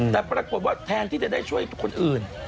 แต่ปรากฏว่าแทนที่จะได้ช่วยคนอื่น